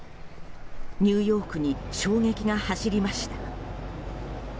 ニューヨークに衝撃が走りました。